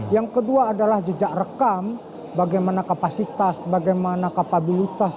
yang kedua adalah jejak rekam bagaimana kapasitas bagaimana kapabilitas